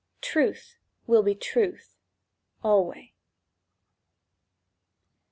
Truth will be truth alway.